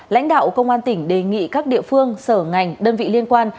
lãnh đạo công an tỉnh đề nghị các địa phương sở ngành đơn vị liên quan